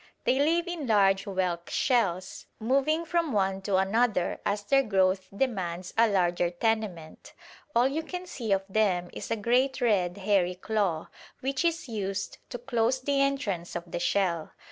They live in large whelk shells, moving from one to another as their growth demands a larger tenement. All you can see of them is a great red hairy claw, which is used to close the entrance of the shell.